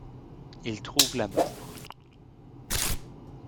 Il trouve la mort.